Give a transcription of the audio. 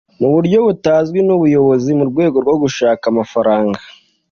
mu buryo butazwi n’ubuyobozi mu rwego rwo gushaka amafaranga